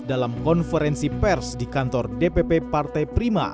dalam konferensi pers di kantor dpp partai prima